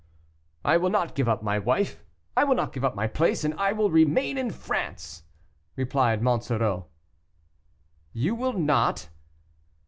"I will not give up my wife, I will not give up my place, and I will remain in France," replied Monsoreau. "You will not?"